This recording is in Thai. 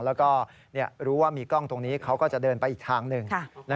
แล้วก็รู้ว่ามีกล้องตรงนี้เขาก็จะเดินไปอีกทางหนึ่ง